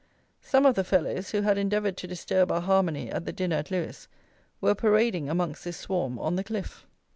Some of the fellows, who had endeavoured to disturb our harmony at the dinner at Lewes, were parading, amongst this swarm, on the cliff.